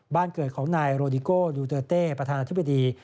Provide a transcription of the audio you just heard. บ้านเกิดของนายโรดิโก้ดูเตอร์เต้ประธานาธิบดี